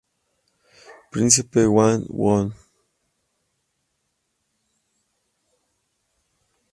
Príncipe Wang Won.